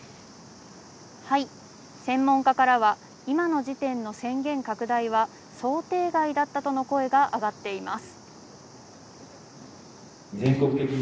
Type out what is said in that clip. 専門家からは今の時点の宣言拡大は想定外だったとの声があがっています。